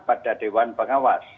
pada dewan pengawas